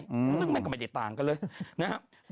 เรื่องแม่งก็ไม่ได้ต่างกันเลยนะครับ